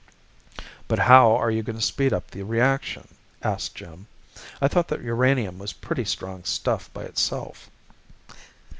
"But how are you going to speed up the reaction?" asked Jim. "I thought that uranium was pretty strong stuff by itself."